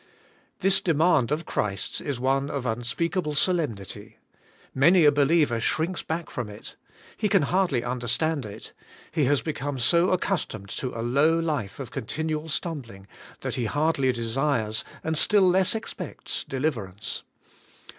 This demand of Christ's is one of unspeakable so lemnity. Many a believer shrinks back from it. He can hardly understand it. He has become so accus tomed to a low life of continual stumbling, that he hardly desires, and still less expects, deliverance.